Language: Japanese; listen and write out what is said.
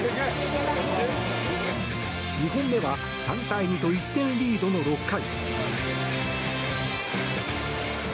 ２本目は３対２と１点リードの６回。